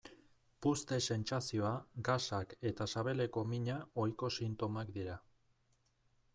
Puzte-sentsazioa, gasak eta sabeleko mina ohiko sintomak dira.